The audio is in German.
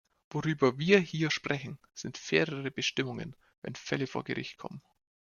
Worüber wir hier sprechen, sind fairere Bestimmungen, wenn Fälle vor Gericht kommen.